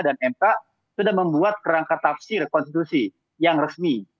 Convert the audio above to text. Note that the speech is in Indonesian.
dan mk sudah membuat kerangka tafsir konstitusi yang resmi